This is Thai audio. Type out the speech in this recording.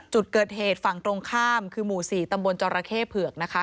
จุดเกิดเหตุฝั่งตรงข้ามคือหมู่๔ตำบลจรเข้เผือกนะคะ